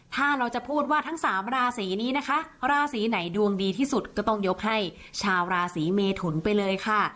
ถ้าเราจะพูดว่าทั้งสามราศีนี้นะคะราศีไหนดวงดีที่สุดก็ต้องยกให้ชาวราศีเมทุนไปเลยค่ะ